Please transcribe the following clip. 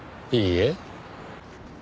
いいえ。